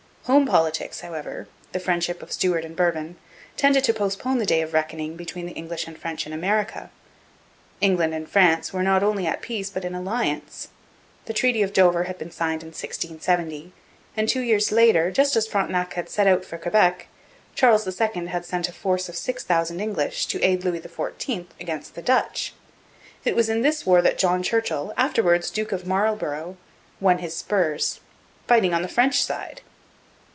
Home politics, however the friendship of Stuart and Bourbon tended to postpone the day of reckoning between the English and French in America. England and France were not only at peace but in alliance. The Treaty of Dover had been signed in 1670, and two years later, just as Frontenac had set out for Quebec, Charles II had sent a force of six thousand English to aid Louis XIV against the Dutch. It was in this war that John Churchill, afterwards Duke of Marlborough, won his spurs fighting on the French side!